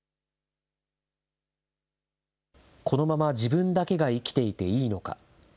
このまま自分だけが生きていていいのか。